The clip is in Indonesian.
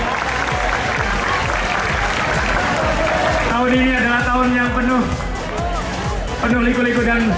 tapi tidak ada apa apanya apabila dibandingkan dengan perjuangan teman teman selama bertahun tahun untuk memperjuangkan kembalinya persebaya ke sepak bola nasional